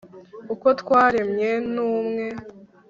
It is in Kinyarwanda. uko twaremwe n'umwe